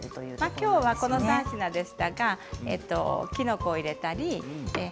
きょうはこの３品でしたがきのこを入れたり。